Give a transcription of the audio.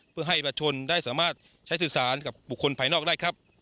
เพื่อให้ประชนได้สามารถใช้สื่อสารกับบุคคลภายนอกได้ครับ